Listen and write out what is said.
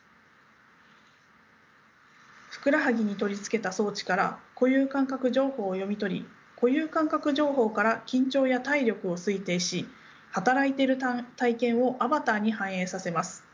ふくらはぎに取り付けた装置から固有感覚情報を読み取り固有感覚情報から緊張や体力を推定し働いている体験をアバターに反映させます。